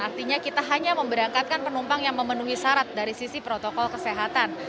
artinya kita hanya memberangkatkan penumpang yang memenuhi syarat dari sisi protokol kesehatan